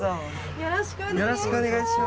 よろしくお願いします。